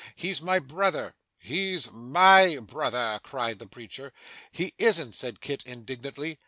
He's my brother.' 'He's MY brother!' cried the preacher. 'He isn't,' said Kit indignantly.